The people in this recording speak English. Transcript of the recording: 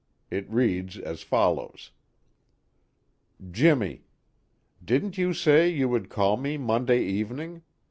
It reads as follows: "Jimmy "Didn't you say you would call me Monday evening?